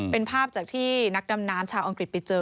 เป็นภาพจากที่นักดำน้ำชาวอังกฤษไปเจอ